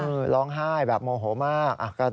บางท่านก็โพสต์แสงความคิดเห็นเกี่ยวกับสายการบิน